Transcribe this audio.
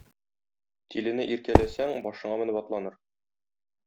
Тилене иркәләсәң, башыңа менеп атланыр.